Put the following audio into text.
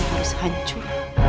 ibu harus hancur